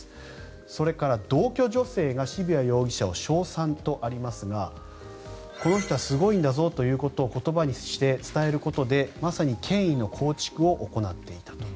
それから、同居女性が渋谷容疑者を称賛とありますがこの人はすごいんだぞということを言葉にして伝えることでまさに権威の構築を行っていたと。